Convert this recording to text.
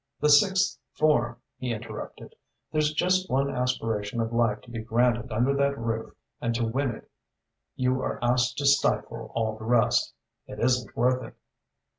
"The sixth form," he interrupted. "There's just one aspiration of life to be granted under that roof and to win it you are asked to stifle all the rest. It isn't worth it."